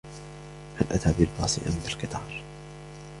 هل أتى بالباص أم بالقطار ؟